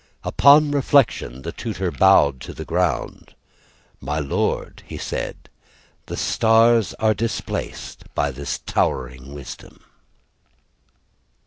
Upon reflection, the tutor bowed to the ground. "My lord," he said, "The stars are displaced "By this towering wisdom."